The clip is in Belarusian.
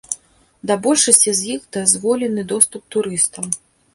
Да большасці з іх дазволены доступ турыстам.